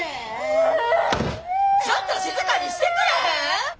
ちょっと静かにしてくれへん！